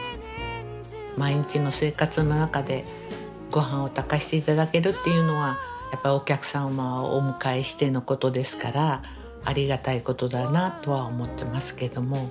毎日の生活の中でごはんを炊かして頂けるっていうのはやっぱりお客様をお迎えしてのことですからありがたいことだなとは思ってますけども。